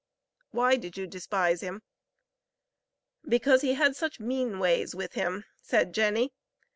"Why did you despise him?" "Because he had such mean ways with him," said Jenny.